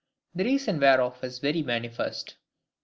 The reason whereof is very manifest.